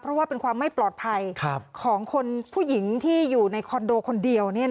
เพราะว่าเป็นความไม่ปลอดภัยของคนผู้หญิงที่อยู่ในคอนโดคนเดียว